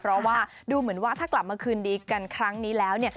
เพราะว่าดูเหมือนว่าถ้ากลับมาคืนดีกันครั้งนี้แล้วเนี่ย